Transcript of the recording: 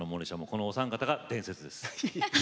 このお三方が伝説です。